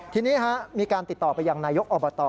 ทีนี้มีการติดต่อไปยังนายกอบต